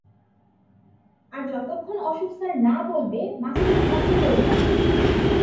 আর যতক্ষণ অশোক স্যার না বলবে মাছির মতো ভনভন করবি না!